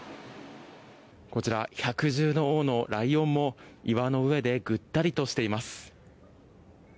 こちら百獣の王のライオンも岩の上でぐったりとしています。